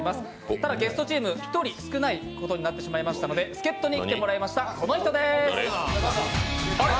ただゲストチーム１人少ないことになってしまいましたので助っとに来ていただきました、この人でーす。